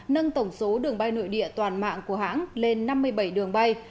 nâng tổng số đường bay nội địa toàn mạng của hãng lên năm mươi bảy đường bay